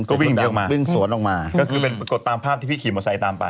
ก็วิ่งหนีออกมาวิ่งสวนออกมาก็คือเป็นปรากฏตามภาพที่พี่ขี่มอเตอร์ไซค์ตามไป